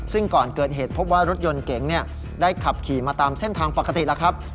ซึ่งก่อนเกิดเหตุพบว่ารถยนต์เก๋งได้ขับขี่มาตามเส้นทางปกติแล้วครับ